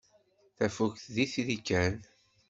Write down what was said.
Tafukt d itri kan.